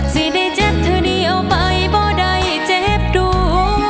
สิได้เจ็บเธอนี้เอาไปบ่ได้เจ็บดู